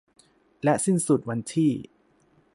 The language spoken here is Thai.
และสิ้นสุดวันที่